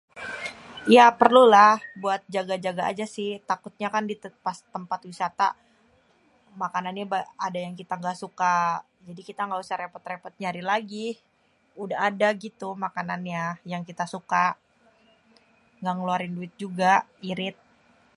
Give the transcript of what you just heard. ya perlu lah, buat jaga-jaga aja sih takutnya kan pas di tempat wisata makananye ade yang kita ga suka, jadi kita gausah repot-repot nyari lagih, udah ada gitu makanannya yang kita suka, ga ngeluarin duit juga, irit.